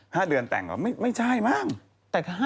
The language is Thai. ห้าเดือนแต่งเหรอไม่ใช่หรือเปล่า